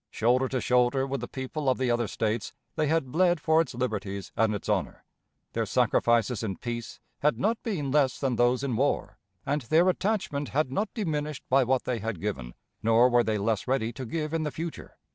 Shoulder to shoulder with the people of the other States, they had bled for its liberties and its honor. Their sacrifices in peace had not been less than those in war, and their attachment had not diminished by what they had given, nor were they less ready to give in the future.